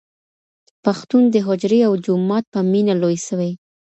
پښتون د حجري او جومات په مینه لوی سوی.